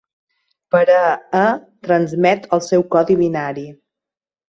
Per a "a" transmet el seu codi binari.